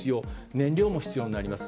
燃料も必要になります。